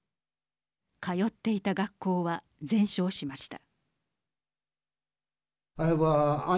通っていた学校は全焼しました。